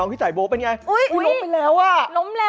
ดองนี้ก็จะเอาแล้วดูน้องที่จ่ายโบ๊ทเป็นยังไง